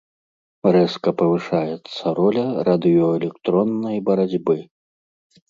Рэзка павышаецца роля радыёэлектроннай барацьбы.